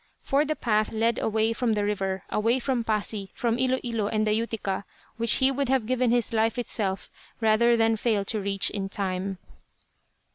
For the path led away from the river, away from Pasi, from Ilo Ilo and the Utica, which he would have given his life itself rather than fail to reach in time.